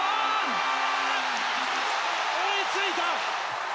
追いついた！